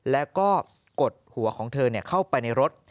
แล้วก็กดหัวของเธอเข้าไปในรถ